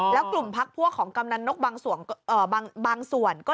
แล้วกลุ่มพักพวกของกำนันนกบางส่วนก็